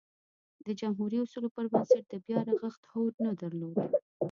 د جمهوري اصولو پربنسټ د بیا رغښت هوډ نه درلود.